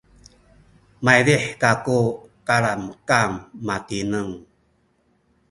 maydih kaku kalamkam matineng